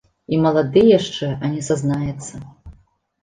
І малады яшчэ, а не сазнаецца.